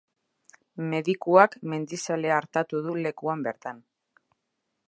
Medikuak mendizalea artatu du lekuan bertan.